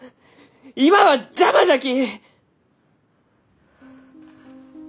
今は邪魔じゃき！